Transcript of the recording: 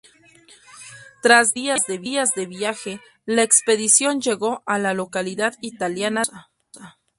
Tras diez días de viaje, la expedición llegó a la localidad italiana de Susa.